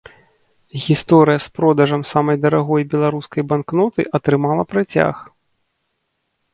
Гісторыя з продажам самай дарагой беларускай банкноты атрымала працяг.